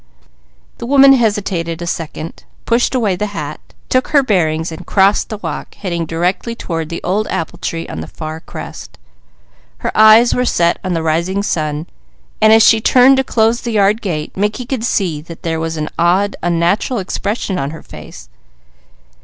The woman hesitated a second, pushed away the hat, took her bearings and crossed the walk, heading directly toward the old apple tree on the far crest. Her eyes were set on the rising sun, and as she turned to close the yard gate, Mickey could see that there was an awed, unnatural expression on her face.